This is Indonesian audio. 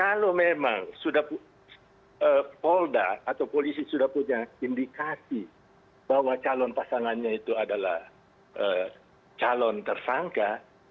kalau memang sudah polda atau polisi sudah punya indikasi bahwa calon pasangannya itu adalah calon tersangka